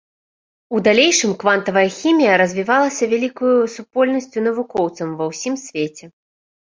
У далейшым квантавая хімія развівалася вялікаю супольнасцю навукоўцаў ва ўсім свеце.